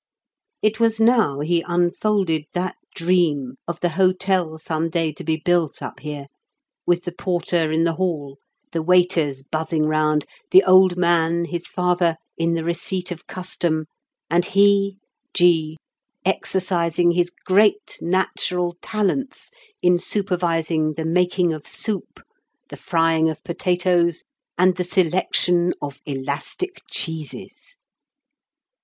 It was now he unfolded that dream of the hotel some day to be built up here, with the porter in the hall, the waiters buzzing round, the old man, his father, in the receipt of custom, and he (G.) exercising his great natural talents in supervising the making of soup, the frying of potatoes, and the selection of elastic cheeses.